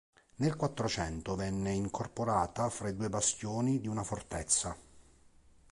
Nel Quattrocento venne incorporata fra i due bastioni di una fortezza.